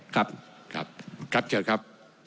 ครับครับเชิญครับ